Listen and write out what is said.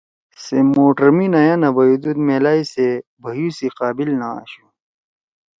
سےموٹر می نَیا نہ بَیُودُود میلائی سے بھیُو سی قابِل نہ آشُو